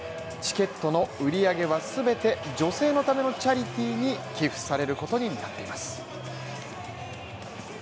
チケットの売り上げは全て女性のためのチャリティーに寄付されることになっています